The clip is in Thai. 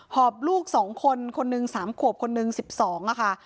อบลูก๒คนคนหนึ่ง๓ขวบคนหนึ่ง๑๒ค่ะ